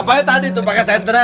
apanya tadi tuh pakai sentra